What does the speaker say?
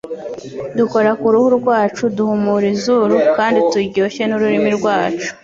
dukora ku ruhu rwacu, duhumura izuru, kandi turyoshye n'ururimi rwacu